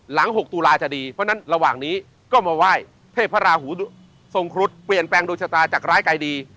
หลัง๖ตุลาจะดีเพราะฉะนั้นระหว่างนี้ก็มาไหว้เทพราหูทรงครุฑเปลี่ยนแปลงดวงชะตาจากร้ายกายดี